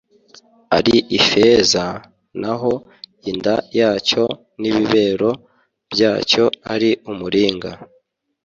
ari ifeza , naho inda yacyo n’ibibero byacyo ari umuringa.